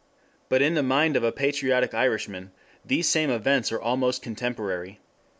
But in the mind of a patriotic Irishman these same events are almost contemporary.